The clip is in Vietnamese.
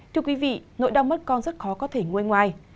thưa quý vị nỗi đau mất con rất khó có thể nguôi ngoài